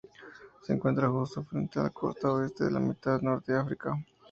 Se encuentra justo frente a la costa oeste de la mitad norte de África.